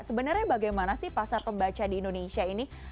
sebenarnya bagaimana sih pasar pembaca di indonesia ini